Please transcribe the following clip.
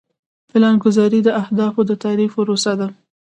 پلانګذاري د اهدافو د تعریف پروسه ده.